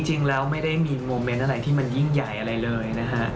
จริงแล้วไม่ได้มีโมเมนต์อะไรที่มันยิ่งใหญ่อะไรเลยนะฮะ